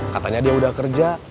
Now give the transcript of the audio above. katanya dia udah kerja